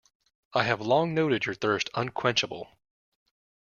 I have long noted your thirst unquenchable.